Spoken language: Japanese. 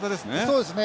そうですね。